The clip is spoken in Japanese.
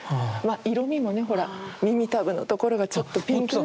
色みもねほら耳たぶのところがちょっとピンク。